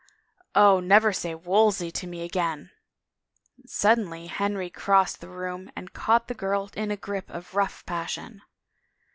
" Oh, never say Wolsey to me again !" Suddenly Henry crossed the room and caught the girl in a grip of rough passion.